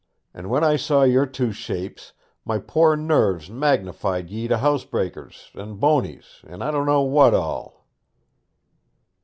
And when I saw your two shapes my poor nerves magnified ye to housebreakers, and Boneys, and I don't know what all.'